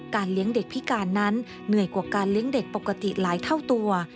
เลี้ยงเด็กพิการนั้นเหนื่อยกว่าการเลี้ยงเด็กปกติหลายเท่าตัว